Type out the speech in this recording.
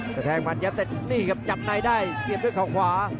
กระแทงพันยับแต่นี่ครับจับในได้เสียบด้วยข้อขวา